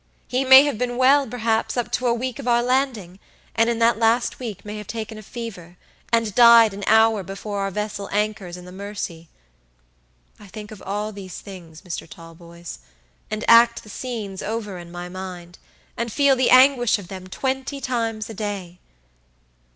He may have been well, perhaps, up to within a week of our landing, and in that last week may have taken a fever, and died an hour before our vessel anchors in the Mersey. I think of all these things, Mr. Talboys, and act the scenes over in my mind, and feel the anguish of them twenty times a day.